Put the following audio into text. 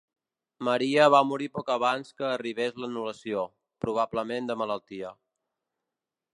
Maria va morir poc abans que arribés l'anul·lació, probablement de malaltia.